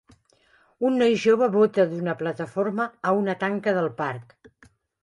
un noi jove bota d'una plataforma a una tanca del parc